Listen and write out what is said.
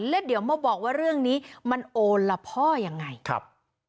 แล้วเดี๋ยวมาบอกว่าเรื่องนี้มันโอละพ่อยังไงครับ